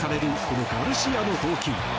このガルシアの投球。